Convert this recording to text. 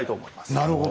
なるほど。